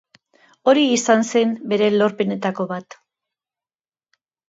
Hori izan bere lorpenetako bat.